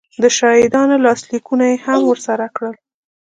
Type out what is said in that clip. د شاهدانو لاسلیکونه یې هم ورسره کړل